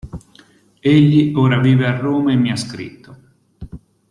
Egli ora vive a Roma e mi ha scritto.